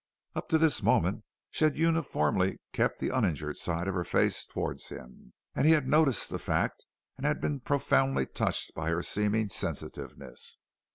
Up to this moment she had uniformly kept the uninjured side of her face towards him, and he had noticed the fact and been profoundly touched by her seeming sensitiveness.